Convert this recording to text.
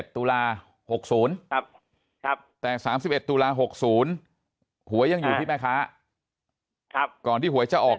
๒๗ต๖๐แต่๓๑ต๖๐หวยังอยู่พี่แม่ค้าอ่ะกอดที่หวยจะออก